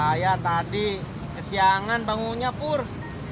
saya tadi kesiangan bangunya purh